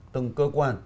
từng cơ quan